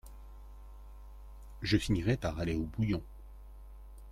Je finirai par aller au bouillon…